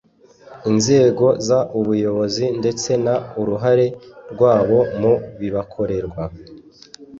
inzego z ubuyobozi ndetse n uruhare rwabo mu bibakorerwa